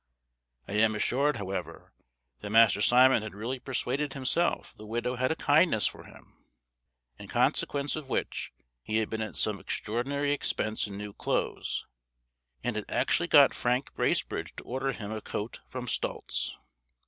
I am assured, however, that Master Simon had really persuaded himself the widow had a kindness for him; in consequence of which he had been at some extraordinary expense in new clothes, and had actually got Frank Bracebridge to order him a coat from Stultz.